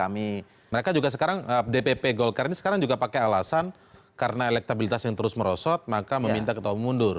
mereka juga sekarang dpp golkar ini sekarang juga pakai alasan karena elektabilitas yang terus merosot maka meminta ketua umum mundur